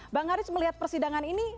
bang haris melihat persidangan ini